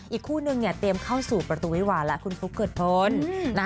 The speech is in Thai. อีกคู่นึงเนี่ยเตรียมเข้าสู่ประตูวิหวานแล้วคุณฟุ๊กเกิดพล